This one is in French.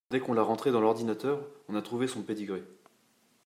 Dès qu’on l’a rentré dans l’ordinateur, on a trouvé son pedigree